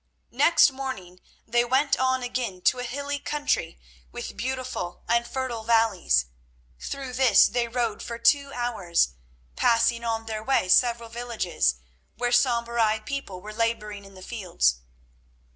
Next morning they went on again to a hilly country with beautiful and fertile valleys. Through this they rode for two hours, passing on their way several villages, where sombre eyed people were labouring in the fields.